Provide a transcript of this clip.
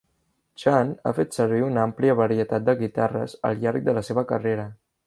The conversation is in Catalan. Chan ha fet servir una àmplia varietat de guitarres al llarg de la seva carrera.